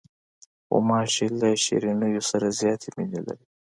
غوماشې له شیرینیو سره زیاتې مینې لري.